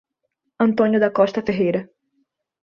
Antônio da Costa Ferreira